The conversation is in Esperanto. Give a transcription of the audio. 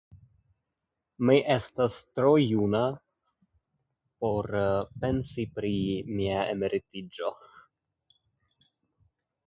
Mi estas tro juna por pensi pri mia emeritiĝo.